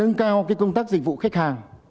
điện lực của evn là nâng cao công tác dịch vụ khách hàng